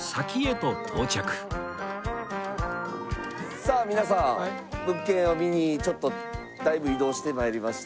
さあ皆さん物件を見にちょっとだいぶ移動して参りまして。